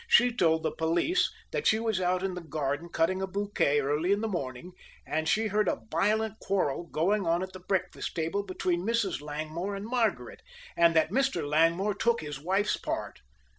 She told the police that she was out in the garden cutting a bouquet early in the morning, and she heard a violent quarrel going on at the breakfast table between Mrs. Langmore and Margaret, and that Mr. Langmore took his wife's part.